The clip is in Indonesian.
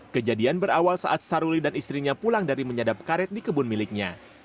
kejadian berawal saat saruli dan istrinya pulang dari menyadap karet di kebun miliknya